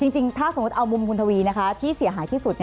จริงถ้าสมมุติเอามุมคุณทวีนะคะที่เสียหายที่สุด